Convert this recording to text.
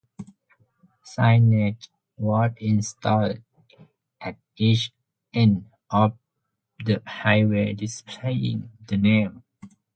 Signage was installed at each end of the highway displaying the name.